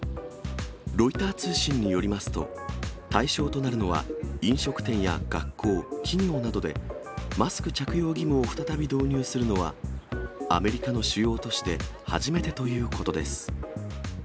ロイター通信によりますと、対象となるのは、飲食店や学校、企業などで、マスク着用義務を再び導入するのは、アメリカの主要都市で初めてということです。